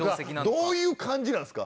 どういう感じなんすか？